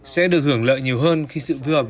sẽ được hưởng lợi nhiều hơn khi sự phù hợp